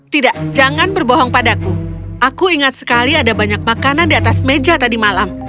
tidak jangan berbohong padaku aku ingat sekali ada banyak makanan di atas meja tadi malam